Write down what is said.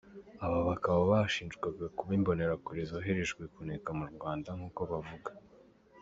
Aba bakaba bashinjwaga kuba Imbonerakure zoherejwe kuneka mu Rwanda nk’uko bavuga.